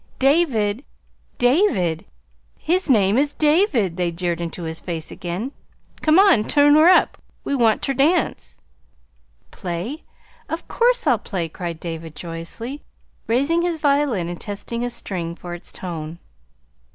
"David! David! His name is David," they jeered into his face again. "Come on, tune her up! We want ter dance." "Play? Of course I'll play," cried David joyously, raising his violin and testing a string for its tone.